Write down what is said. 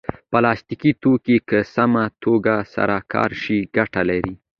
پلاستيکي توکي که سمه توګه سره کار شي ګټه لري.